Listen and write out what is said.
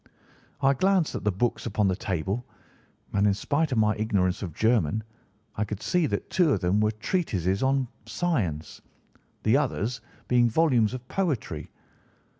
"I glanced at the books upon the table, and in spite of my ignorance of German I could see that two of them were treatises on science, the others being volumes of poetry.